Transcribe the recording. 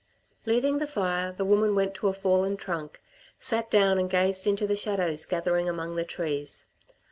Leaving the fire, the woman went to a fallen trunk, sat down and gazed into the shadows gathering among the trees.